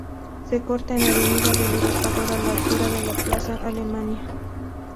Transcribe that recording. Se corta en Avenida del Libertador a la altura de Plaza Alemania.